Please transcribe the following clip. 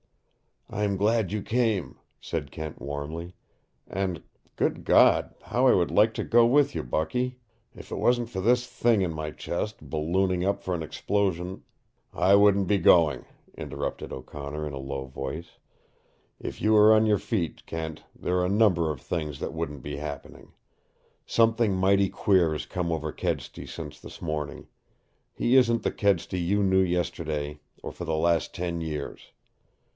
"I'm glad you came," said Kent warmly. "And good God, how I would like to go with you, Bucky! If it wasn't for this thing in my chest, ballooning up for an explosion " "I wouldn't be going," interrupted O'Connor in a low voice. "If you were on your feet, Kent, there are a number of things that wouldn't be happening. Something mighty queer has come over Kedsty since this morning. He isn't the Kedsty you knew yesterday or for the last ten years.